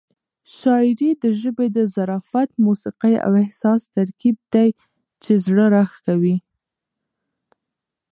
شاعري د ژبې د ظرافت، موسيقۍ او احساس ترکیب دی چې زړه راښکوي.